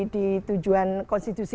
di tujuan konstitusi